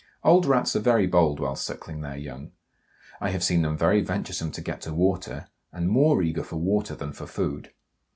Old Rats are very bold whilst suckling their young. I have seen them very venturesome to get to water, and more eager for water than for food.